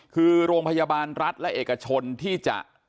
คือโรงพยาบาลรัฐและเอกชนที่จะ